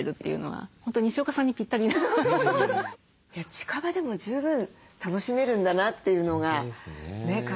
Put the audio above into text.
近場でも十分楽しめるんだなというのがね感じられて。